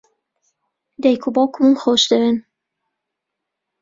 دایک و باوکمم خۆش دەوێن.